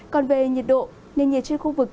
còn về nhiệt độ nền nhiệt trên khu vực